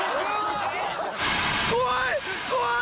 怖い！